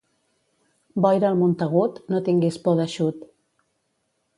Boira al Montagut, no tinguis por d'eixut.